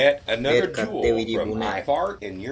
Bedcadteuidi bunec